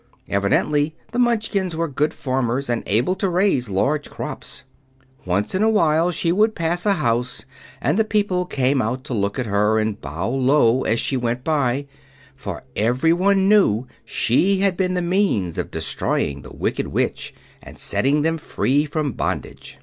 Evidently the Munchkins were good farmers and able to raise large crops. Once in a while she would pass a house, and the people came out to look at her and bow low as she went by; for everyone knew she had been the means of destroying the Wicked Witch and setting them free from bondage.